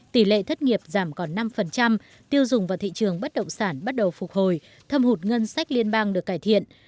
tỷ lệ thất nghiệp giảm còn năm tiêu dùng và thị trường bất động sản bắt đầu phục hồi thâm hụt ngân sách liên bang được cải thiện